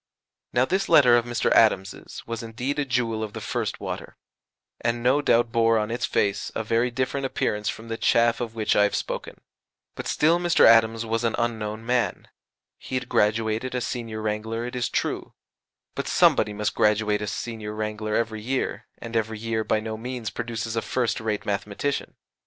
Now this letter of Mr. Adams's was indeed a jewel of the first water, and no doubt bore on its face a very different appearance from the chaff of which I have spoken; but still Mr. Adams was an unknown man: he had graduated as Senior Wrangler it is true, but somebody must graduate as Senior Wrangler every year, and every year by no means produces a first rate mathematician.